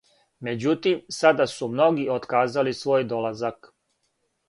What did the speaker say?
Међутим, сада су многи отказали свој долазак.